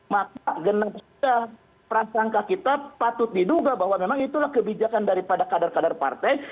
maka genar genar prasangka kita patut diduga bahwa memang itulah kebijakan daripada kadar kadar partai